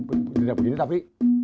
bukan tidak begini tapi